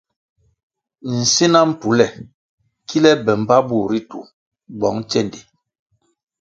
Nsina mpule kile be mbpa bur ritu bong tsendi.